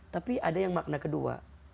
tapi ada yang makna kedua